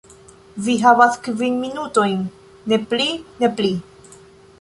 Vi havas kvin minutojn. Ne pli. Ne pli."